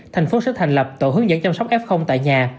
thành phố sẽ thành lập tổ hướng dẫn chăm sóc f tại nhà